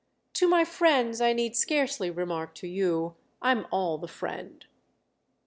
"To my friends, I need scarcely remark to you, I'm all the friend."